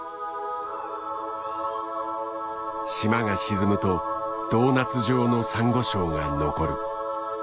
島が沈むとドーナツ状のサンゴ礁が残る。